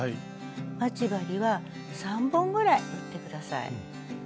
待ち針は３本ぐらい打って下さい。